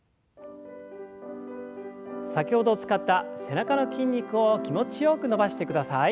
先ほど使った背中の筋肉を気持ちよく伸ばしてください。